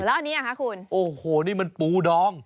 แล้วอันนี้อ่ะคะคุณโอ้โหนี่มันปูดอง